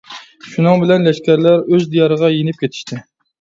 شۇنىڭ بىلەن لەشكەرلەر ئۆز دىيارىغا يېنىپ كېتىشتى.